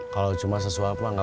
kalau cuma sesuap lah gak usah ngamen